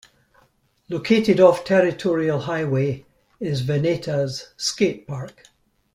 Located off Territorial Highway is Veneta's skate park.